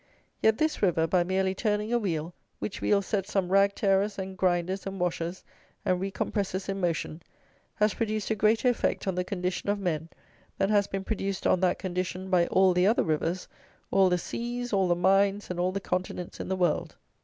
Yet this river, by merely turning a wheel, which wheel sets some rag tearers and grinders and washers and re compressers in motion, has produced a greater effect on the condition of men than has been produced on that condition by all the other rivers, all the seas, all the mines and all the continents in the world.